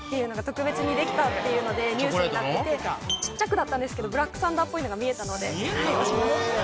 特別にできたっていうのでニュースになっててちっちゃくだったんですけどブラックサンダーっぽいのが見えたので見えた？